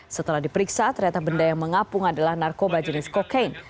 setelah diperiksa ternyata benda yang mengapung adalah narkoba jenis kokain